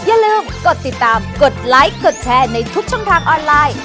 อย่าลืมกดติดตามกดไลค์กดแชร์ในทุกช่องทางออนไลน์